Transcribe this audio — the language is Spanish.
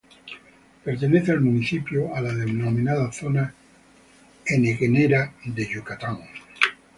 Pertenece el municipio a la denominada zona henequenera de Yucatán.